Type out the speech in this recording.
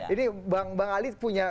ini bang ali punya